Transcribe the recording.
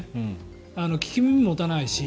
聞く耳を持たないし。